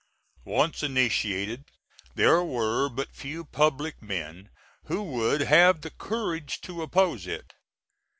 Once initiated there were but few public men who would have the courage to oppose it.